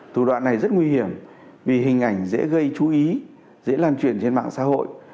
thủ đoạn này rất nguy hiểm vì hình ảnh dễ gây chú ý dễ lan truyền trên mạng xã hội